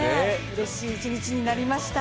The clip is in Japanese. うれしい一日になりました。